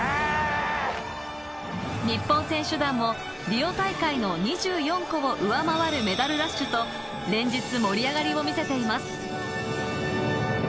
日本選手団もリオ大会の２４個を上回るメダルラッシュと、連日盛り上がりを見せています。